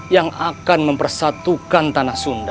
yang akan mempersatukan tanah sunda